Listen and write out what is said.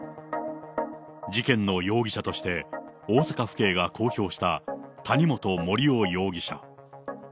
事件の容疑者として、大阪府警が公表した谷本盛雄容疑者。